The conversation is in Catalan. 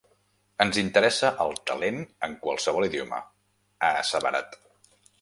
“Ens interessa el talent en qualsevol idioma”, ha asseverat.